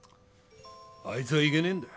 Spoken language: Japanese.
あいつがいけねえんだ。